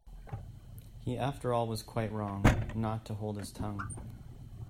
He after all was quite wrong — not to hold his tongue.